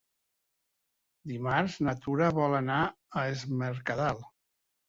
Dimarts na Tura vol anar a Es Mercadal.